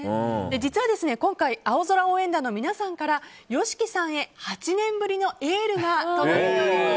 実は、今回青空応援団の皆さんからＹＯＳＨＩＫＩさんへ８年ぶりのエールが届いております。